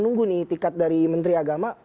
nunggu nih itikat dari menteri agama